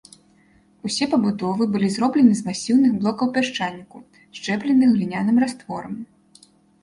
Усе пабудовы былі зроблены з масіўных блокаў пясчаніку, счэпленых гліняным растворам.